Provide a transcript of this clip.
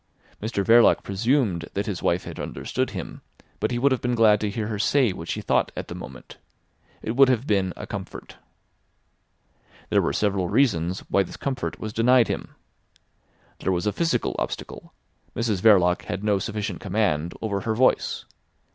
Mr Verloc presumed that his wife had understood him, but he would have been glad to hear her say what she thought at the moment. It would have been a comfort. There were several reasons why this comfort was denied him. There was a physical obstacle: Mrs Verloc had no sufficient command over her voice.